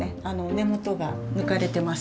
根元が抜かれてます。